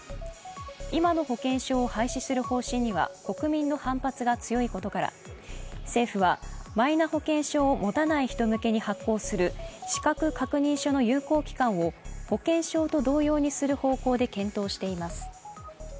今の保険証を廃止する方針には国民の反発が強いことから政府はマイナ保険証を持たない人向けに発行する資格確認書の有効期間を保険証と同様にする方向で検討しています。